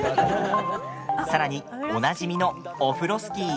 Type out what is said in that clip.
さらに、おなじみのオフロスキー。